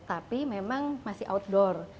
tapi memang masih outdoor